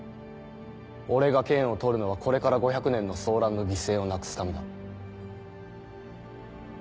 俺が剣を取るのはこれから５００年の争乱の犠牲をなくすためだ。